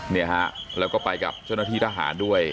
เนี่ยฮะแล้วก็ไปกับเจ้าหน้าที่ทหารด้วย